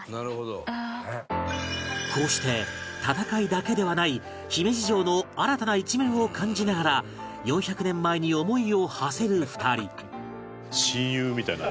こうして戦いだけではない姫路城の新たな一面を感じながら４００年前に思いをはせる２人